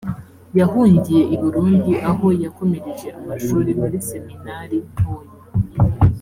yahungiye i burundi aho yakomereje amashuri muri seminari ntoya